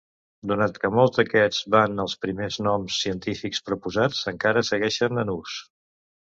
Donat que molts d'aquests van els primers noms científics proposats, encara segueixen en ús.